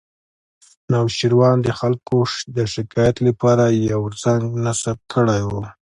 نوشیروان د خلکو د شکایت لپاره یو زنګ نصب کړی و